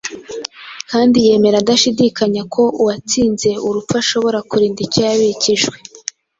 kandi yemera adashidikanya ko uwatsinze urupfu ashoboye kurinda icyo yabikijwe